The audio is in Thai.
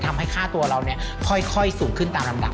ทำให้ค่าตัวเราค่อยสูงขึ้นตามลำดับ